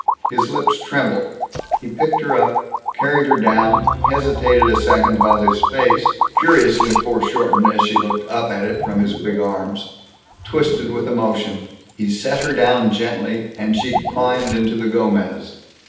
His lips trembled. He picked her up, carried her down, hesitated a second while his face curiously foreshortened as she looked up at it from his big arms twisted with emotion. He set her down gently, and she climbed into the Gomez.